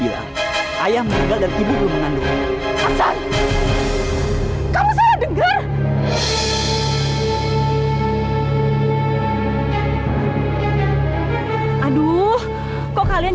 jangan jangan bunuh anakmu wan